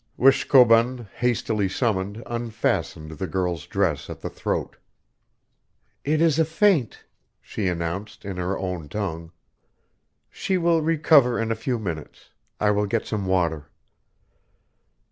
Wishkobun, hastily summoned, unfastened the girl's dress at the throat. "It is a faint," she announced in her own tongue. "She will recover in a few minutes; I will get some water."